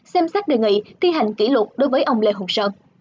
xem xét đề nghị thi hành kỷ luật đối với ông lê hùng sơn